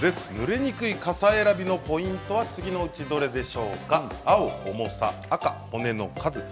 ぬれにくい傘選びのポイントは次のうち、どれでしょうか？